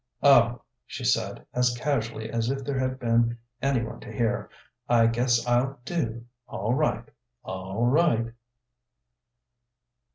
"Oh," she said, as casually as if there had been any one to hear, "I guess I'll do, all right, all right!"